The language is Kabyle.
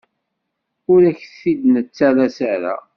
Ur ak-t-id-nettales ara.